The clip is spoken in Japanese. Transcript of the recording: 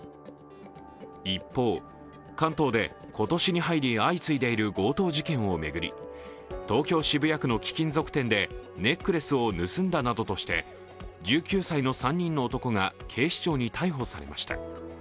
一方、関東で今年に入り相次いでいる強盗事件を巡り、東京・渋谷区の貴金属店でネックレスを盗んだなどとして１９歳の３人の男が警視庁に逮捕されました。